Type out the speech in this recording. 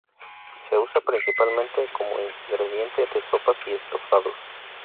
Se usa principalmente como ingrediente de sopas y estofados.